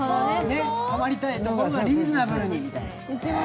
泊まりたいところがリーズナブルにみたいな。